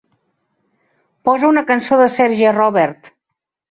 Posa una cançó de Serge Robert